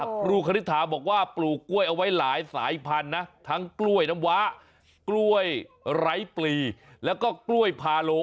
ครูคณิตถาบอกว่าปลูกกล้วยเอาไว้หลายสายพันธุ์นะทั้งกล้วยน้ำว้ากล้วยไร้ปลีแล้วก็กล้วยพาโล